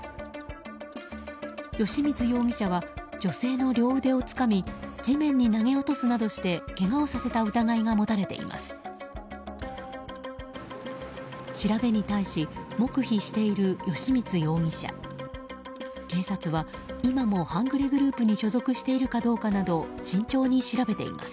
吉満容疑者は女性の両腕をつかみ地面に投げ落とすなどしてけがをさせた疑いが持たれています。